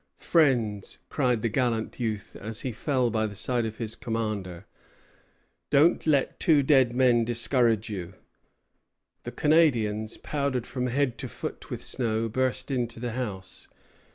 "Friends," cried the gallant youth, as he fell by the side of his commander, "don't let two dead men discourage you." The Canadians, powdered from head to foot with snow, burst into the house.